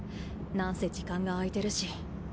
なんせ時間が空いてるし。